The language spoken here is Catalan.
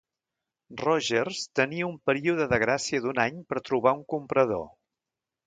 Rogers tenia un període de gràcia d'un any per trobar un comprador.